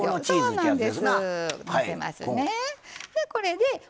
そうなんです。